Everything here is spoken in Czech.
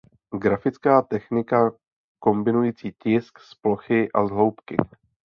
Grafická technika kombinující tisk z plochy a z hloubky.